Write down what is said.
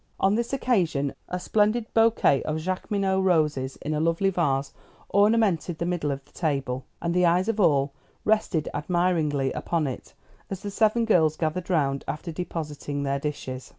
On this occasion a splendid bouquet of Jaqueminot roses in a lovely vase ornamented the middle of the table, and the eyes of all rested admiringly upon it, as the seven girls gathered round, after depositing their dishes.